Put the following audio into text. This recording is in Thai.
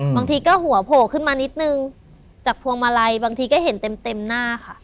บางทีก็หัวโผล่ขึ้นมานิดนึงจากพวงมาลัยบางทีก็เห็นเต็มหน้าค่ะ